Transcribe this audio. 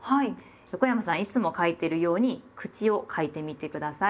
横山さんいつも書いてるように「口」を書いてみて下さい。